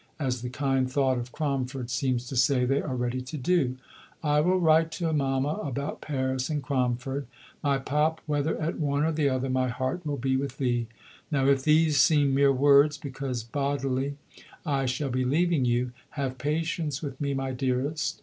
as the kind thought of Cromford seems to say they are ready to do. I will write to Mama about Paris and Cromford. My Pop, whether at one or the other, my heart will be with thee. Now if these seem mere words, because bodily I shall be leaving you, have patience with me, my dearest.